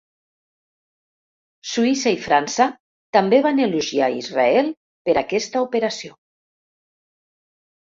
Suïssa i França també van elogiar Israel per aquesta operació.